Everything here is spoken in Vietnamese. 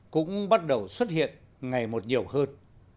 cũng bắt đầu xuất hiện ngày một nhiều hơn